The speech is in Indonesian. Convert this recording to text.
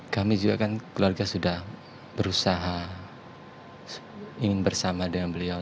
kami juga kan keluarga sudah berusaha ingin bersama dengan beliau